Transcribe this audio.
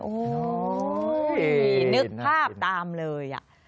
โอ้โหนึกภาพตามเลย